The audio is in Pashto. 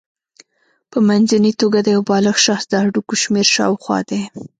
په منځنۍ توګه د یو بالغ شخص د هډوکو شمېر شاوخوا دی.